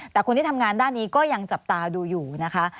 แต่คนที่ทำงานด้านนี้ก็ยังจับตาดูอยู่นะคะ